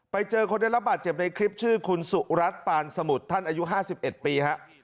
ไปเจอคนได้รับบาดเจ็บในคลิปชื่อคุณสุรัตน์ปานสมุทรท่านอายุ๕๑ปีฮะ